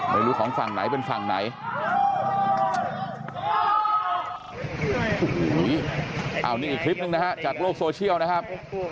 ไม่รู้ของฝั่งไหนเป็นฝั่งไหนอีกคลิปจากโลกโซเชียลนะครับ